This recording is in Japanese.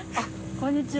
こんにちは。